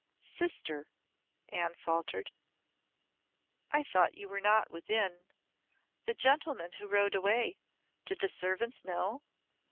"Sister," Anne faltered, "I thought you were not within. The gentleman who rode away did the servants know?"